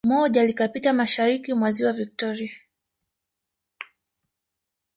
Moja likapita mashariki mwa Ziwa Victoria